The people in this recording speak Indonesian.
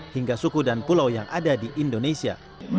hingga suku dan pulau yang ada di indonesia